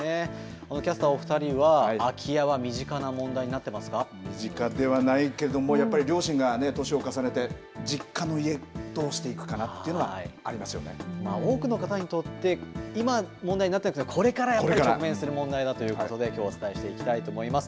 キャスターお２人は空き家は身近ではないけどもやっぱり両親が年を重ねて実家の家、どうしていくかなって多くの方にとって今問題になってるのがこれから直面する問題だということできょうお伝えしていきたいと思います。